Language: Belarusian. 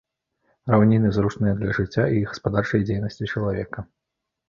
Раўніны зручныя для жыцця і гаспадарчай дзейнасці чалавека.